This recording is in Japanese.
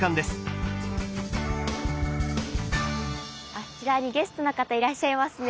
あちらにゲストの方いらっしゃいますね。